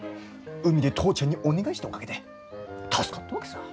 海で父ちゃんにお願いしたおかげで助かったわけさぁ。